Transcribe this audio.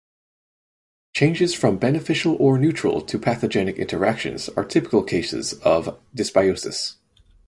Changes from beneficial or neutral to pathogenic interactions are typical cases of dysbiosis.